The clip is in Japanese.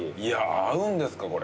いや合うんですか？